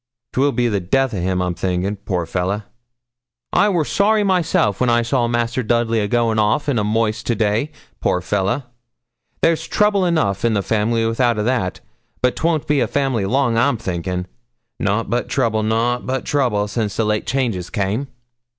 'Twill be the death o' him, I'm thinkin', poor old fellah. I wor sorry myself when I saw Master Dudley a going off in the moist to day, poor fellah. There's trouble enough in the family without a' that; but 'twon't be a family long, I'm thinkin'. Nout but trouble, nout but trouble, since late changes came.'